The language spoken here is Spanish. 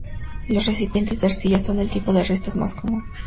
Los recipientes de arcilla son el tipo de restos más común.